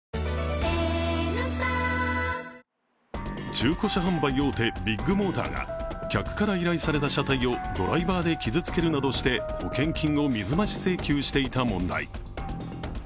中古車販売大手ビッグモーターが客から依頼された車体をドライバーで傷つけるなどして保険金を水増し請求していた問題。